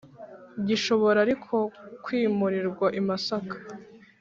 gishobora ariko kwimurirwa imasaka